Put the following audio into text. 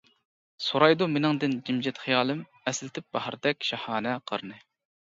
سورايدۇ مېنىڭدىن جىمجىت خىيالىم، ئەسلىتىپ باھاردەك شاھانە قارنى.